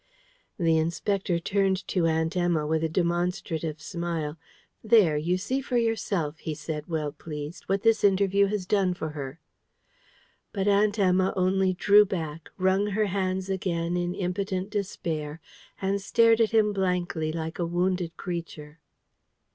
The Inspector turned to Aunt Emma with a demonstrative smile. "There, you see for yourself," he said, well pleased, "what this interview has done for her!" But Aunt Emma only drew back, wrung her hands again in impotent despair, and stared at him blankly like a wounded creature.